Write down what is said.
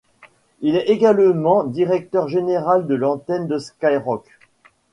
Il est également directeur général de l'antenne de Skyrock.